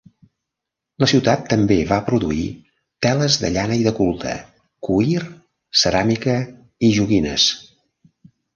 La ciutat també va produir teles de llana i de culte, cuir, ceràmica i joguines.